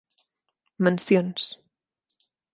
Mencions